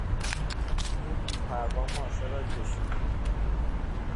او بیپروا ماشه را کشید.